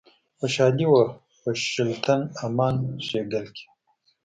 خوشحالي وه په شُلتن، امان شیګل کښي